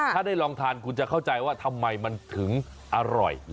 ถ้าได้ลองทานคุณจะเข้าใจว่าทำไมมันถึงอร่อย